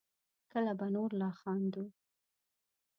کله به نور لا خندوو